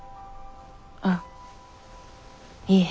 あっいえ。